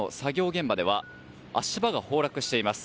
現場では足場が崩落しています。